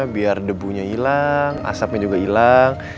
biar debunya hilang asapnya juga hilang